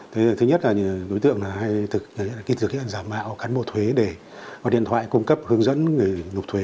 thứ nhất là đối tượng hay thực hiện giả mạo cán bộ thuế để gọi điện thoại cung cấp hướng dẫn người nộp thuế